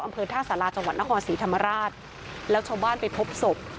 อำเภอท่าสาราจังหวัดนครศรีธรรมราชแล้วชาวบ้านไปพบศพ